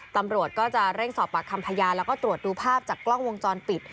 ตำรวจก็จะเร่งสอบปากคำพยานแล้วก็ตรวจดูภาพจากกล้องวงจรปิด